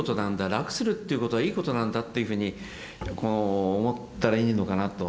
楽するということはいいことなんだっていうふうに思ったらいいのかなと。